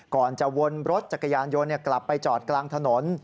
ก่อนจะวนรถจักรยานยนต์กลับไปจอดกลางถนน